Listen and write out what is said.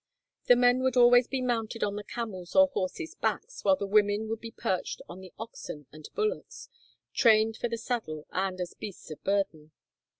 The men would always be mounted on the camels' or horses' backs, while the women would be perched on the oxen and bullocks, trained for the saddle and as beasts of burden.